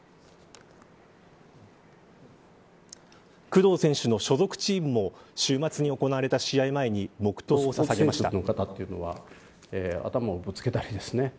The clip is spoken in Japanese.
工藤選手の所属チームも週末に行われた試合前に黙とうをささげました。